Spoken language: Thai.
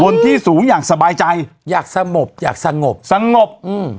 ที่สูงอย่างสบายใจอยากสงบอยากสงบสงบอืม